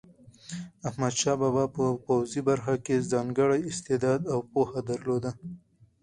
احمدشاه بابا په پوځي برخه کې ځانګړی استعداد او پوهه درلوده.